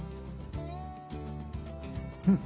うん！